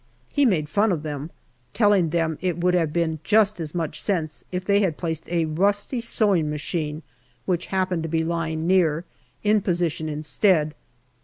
He made fun of them, telling them that it would have been just as much sense if they had placed a rusty sewing APRIL 51 machine, which happened to be lying near, in position instead.